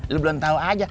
lu belum tahu aja